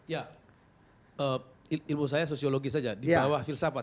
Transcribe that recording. ya ilmu saya sosiologis saja di bawah filsafat